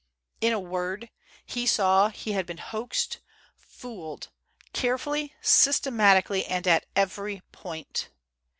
In a word, he saw he had been hoaxed—fooled—carefully, systematically, and at every point.